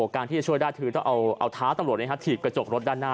การที่จะช่วยได้คือต้องเอาท้าตำรวจถีบกระจกรถด้านหน้า